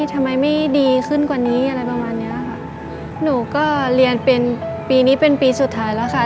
ทำไมไม่ดีขึ้นกว่านี้อะไรประมาณเนี้ยค่ะหนูก็เรียนเป็นปีนี้เป็นปีสุดท้ายแล้วค่ะ